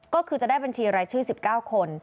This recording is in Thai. ก็คือจะได้บัญชีรายชื่อ๑๙คน